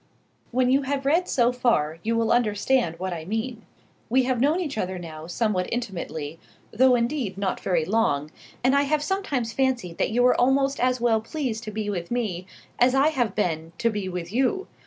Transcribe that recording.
When you have read so far you will understand what I mean. We have known each other now somewhat intimately, though indeed not very long, and I have sometimes fancied that you were almost as well pleased to be with me as I have been to be with you.